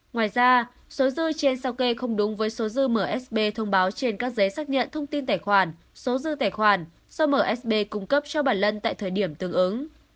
ngoài ra số dư trên sao kê không đúng với số dư msb thông báo trên các giấy xác nhận thông tin tài khoản số dư tài khoản do msb cung cấp cho bà lân tại thời điểm tương ứng